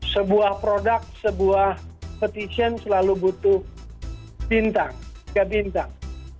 sebuah produk sebuah petician selalu butuh bintang tiga bintang